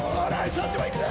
そっちもいくぜ。